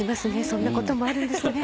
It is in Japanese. そんなこともあるんですね。